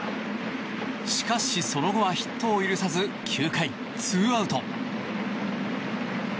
しかし、その後はヒットを許さず９回２アウト。